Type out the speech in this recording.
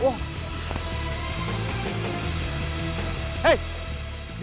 jangan lagi gitu veramente kali